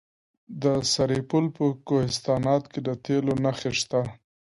د سرپل په کوهستانات کې د تیلو نښې شته.